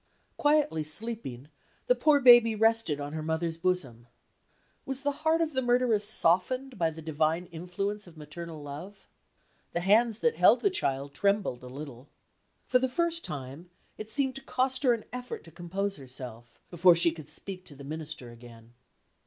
Quietly sleeping, the poor baby rested on her mother's bosom. Was the heart of the murderess softened by the divine influence of maternal love? The hands that held the child trembled a little. For the first time it seemed to cost her an effort to compose herself, before she could speak to the Minister again.